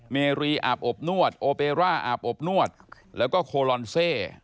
เมรีอาบอบนวดโอเปร่าอาบอบนวดแล้วก็โคลอนเซ